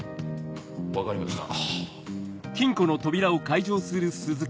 分かりました。